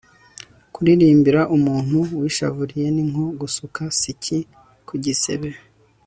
kuririmbira umuntu wishavuriye ni nko gusuka siki ku gisebe